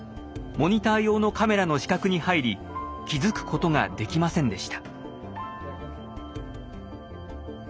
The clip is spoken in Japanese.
モニター用のカメラの死角に入り気付くことができませんでした。